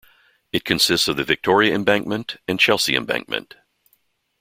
It consists of the Victoria Embankment and Chelsea Embankment.